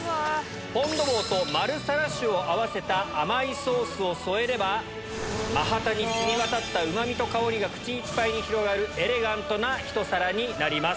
フォンドボーとマルサラシュを合わせた甘いソースを添えれば、マハタに染み渡ったうまみと香りが口いっぱいに広がる、エレガントな一皿になります。